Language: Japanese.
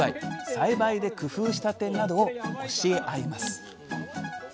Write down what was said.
栽培で工夫した点などを教え合います。